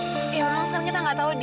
ya memang sekarang kita nggak tahu